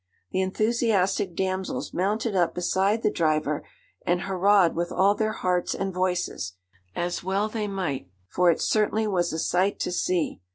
The enthusiastic damsels mounted up beside the driver, and hurrahed with all their hearts and voices, as well they might, for it certainly was a sight to see.